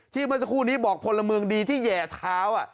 เมื่อสักครู่นี้บอกพลเมืองดีที่แห่เท้า